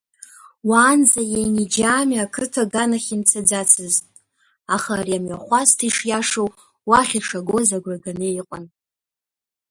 Уаанӡа Иениџьаами ақыҭа аганахь имцаӡацызт, аха ари амҩахәасҭа ишиашоу уахь ишагоз агәра ганы иҟан.